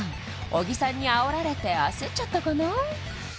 小木さんにあおられて焦っちゃったかな？